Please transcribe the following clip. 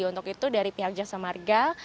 untuk itu dari pihak jasa marga